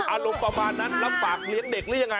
อารมณ์ประมาณนั้นรับปากเลี้ยงเด็กหรือยังไง